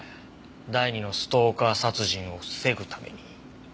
第二のストーカー殺人を防ぐために。